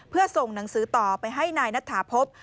เพื่อส่งหนังสือต่อไปให้นายนัทธาพบ